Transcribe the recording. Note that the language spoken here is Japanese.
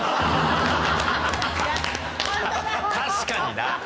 確かにな。